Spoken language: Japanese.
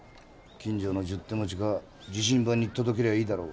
近所の十手持ちか自身番に届けりゃいいだろうが。